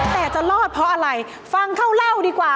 แต่จะรอดเพราะอะไรฟังเขาเล่าดีกว่า